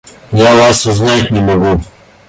Я вас узнать не могу.